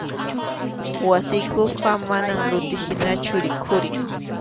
Wasiykuqa manam luti hinachu rikhurin.